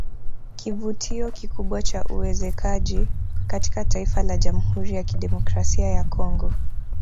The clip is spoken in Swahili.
Kivutio kikubwa cha uwekezaji katika taifa la Jamhuri ya kidemokrasia ya Congo